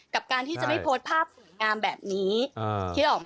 กับการที่จะไม่โพสต์ภาพสวยงามแบบนี้นึกออกไหม